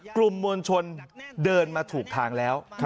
กลุ่มมวลชนเดินมาถูกทางแล้ว